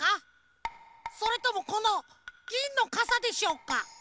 それともこのぎんのかさでしょうか？